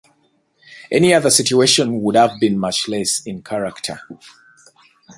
Any other situation would have been much less in character.